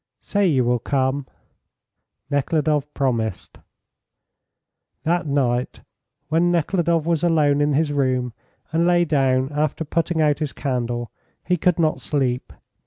"Say you will come." Nekhludoff promised. That night, when Nekhludoff was alone in his room, and lay down after putting out his candle, he could not sleep.